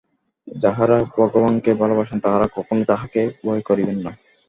যাঁহারা ভগবানকে ভালবাসেন, তাঁহারা কখনই তাঁহাকে ভয় করিবেন না।